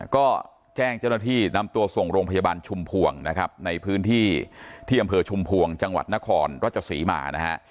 ก็แจ้งเจ้าหน้าที่นำตัวส่งโรงพยาบาลชุมพวงนะครับในพื้นที่ที่อำเภอชุมพวงจังหวัดนครราชศรีมานะฮะ